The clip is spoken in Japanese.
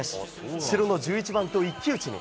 白の１１番と一騎打ちに。